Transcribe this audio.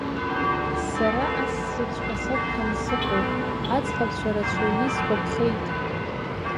Сара ассирҵәҟьа сақәшәаны сыҟоуп, аӡӷабцәа рацәаҩны исгәаԥхеит.